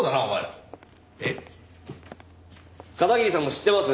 片桐さんも知ってます？